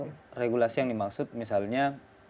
kalau regulasi yang dimaksud misalnya